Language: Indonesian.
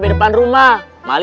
beneran bu haji